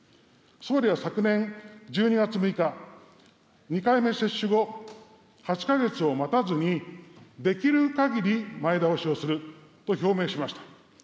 総理は昨年１２月６日、２回目接種後、８か月を待たずにできるかぎり前倒しをすると表明しました。